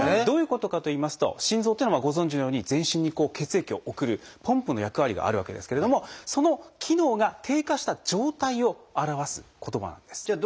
どういうことかといいますと心臓っていうのはご存じのように全身に血液を送るポンプの役割があるわけですけれどもその機能が低下した状態を表す言葉なんです。